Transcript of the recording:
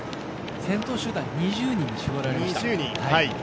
先頭集団、２０人に絞られました。